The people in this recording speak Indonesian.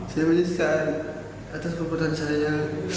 saya berikan atas keputusan saya